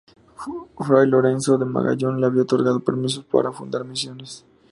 Fray Lorenzo de Magallón, le había otorgado permiso para fundar misiones.